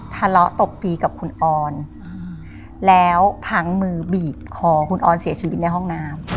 ทะเลาะตบตีกับคุณออนแล้วพังมือบีบคอคุณออนเสียชีวิตในห้องน้ำ